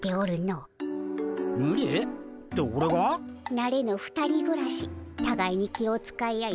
なれぬ２人ぐらしたがいに気を遣い合い